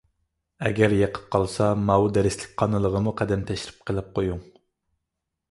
ئەگەر يېقىپ قالسا، ماۋۇ دەرسلىك قانىلىغىمۇ قەدەم تەشرىپ قىلىپ قويۇڭ.